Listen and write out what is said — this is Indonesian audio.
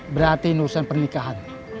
berarti nurusan pernikahan